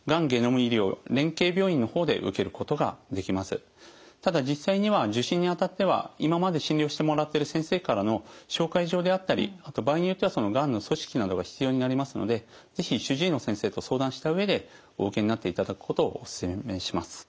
現在ではただ実際には受診にあたっては今まで診療してもらってる先生からの紹介状であったりあと場合によってはがんの組織などが必要になりますので是非主治医の先生と相談した上でお受けになっていただくことをお勧めします。